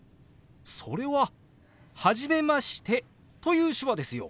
それは「初めまして」という手話ですよ。